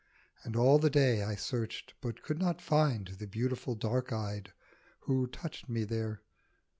And all the day I searched but could not find The beautiful dark eyed who touched me there.